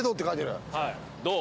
どう？